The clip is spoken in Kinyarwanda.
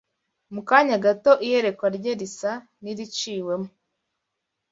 Mu kanya gato iyerekwa rye risa n’iriciwemo;